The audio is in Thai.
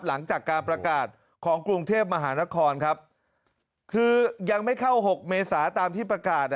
หลังจากการประกาศของกรุงเทพมหานครครับคือยังไม่เข้า๖เมษาตามที่ประกาศ